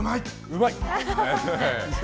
うまい。